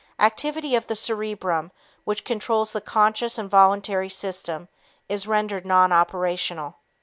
Activity of the cerebrum, which controls the conscious and voluntary system, is rendered non operational.